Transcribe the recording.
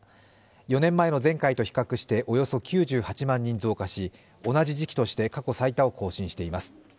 ４年前の前回と比較しておよそ９８万人増加し、同じ時期として過去最多を更新しています。